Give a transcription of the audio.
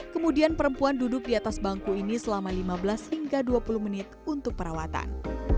kemudian perempuan duduk di atas bangku ini selama lima belas hingga dua puluh menit untuk perawatan